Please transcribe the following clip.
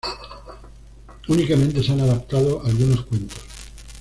Únicamente se han adaptado algunos cuentos.